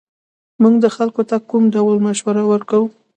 موږ به خلکو ته کوم ډول مشوره ورکوو